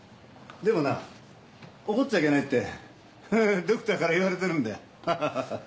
でもな怒っちゃいけないってドクターから言われてるんだよ。